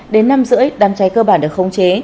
đến năm h ba mươi đám cháy cơ bản được khống chế